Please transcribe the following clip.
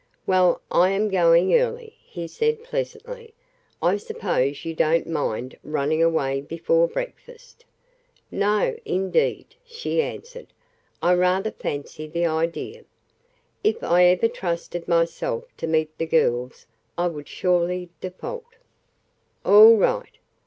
"Well, I am going early," he said pleasantly. "I suppose you don't mind running away before breakfast." "No, indeed," she answered. "I rather fancy the idea. If I ever trusted myself to meet the girls I would surely 'default.'" "All right.